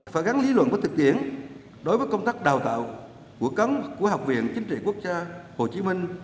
phải gắn lý luận với thực diễn đối với công tác đào tạo của cấm của học viện chính trị quốc gia hồ chí minh